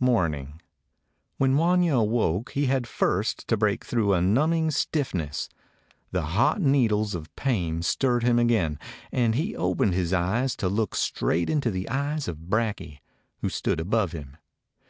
Morning. When Wanya awoke he had first to break through a numbing stiffness. Then hot needles of pain stirred him again, and he opened his eyes to look straight into the eyes of Brakje, who stood above him.